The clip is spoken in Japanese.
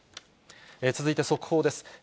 続いて速報です。